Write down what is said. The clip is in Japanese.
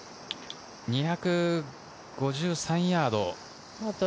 ２５３ヤード。